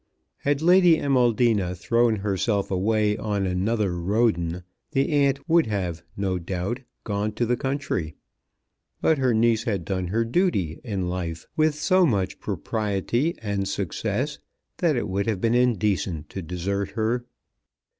Had Lady Amaldina thrown herself away on another Roden the aunt would have no doubt gone to the country; but her niece had done her duty in life with so much propriety and success that it would have been indecent to desert her.